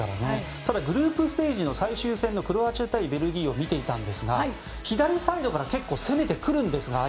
ただグループステージの最終戦のクロアチア対ベルギー戦を見ていたんですが左サイドから結構攻めてくるんですよね。